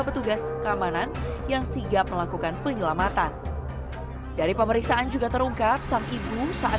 petugas keamanan yang sigap melakukan penyelamatan dari pemeriksaan juga terungkap sang ibu saat